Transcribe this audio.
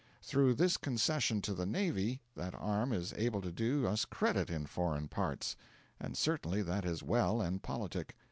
Through this concession to the navy, that arm is able to do us credit in foreign parts; and certainly that is well and politic.